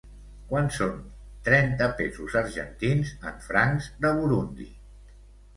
Quant són trenta pesos argentins en francs de Burundi?